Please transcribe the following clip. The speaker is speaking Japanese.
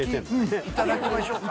いただきましょうかね。